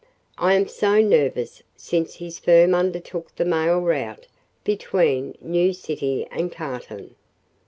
I am so nervous since his firm undertook the mail route between New City and Cartown.